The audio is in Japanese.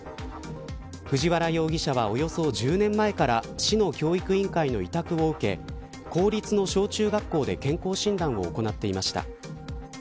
藤原容疑者はおよそ１０年前から市の教育委員会の委託を受け公立の小中学校で健康診断を行っていました。